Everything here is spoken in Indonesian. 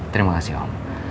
terima kasih om